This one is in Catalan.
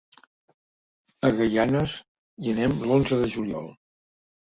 A Gaianes hi anem l'onze de juliol.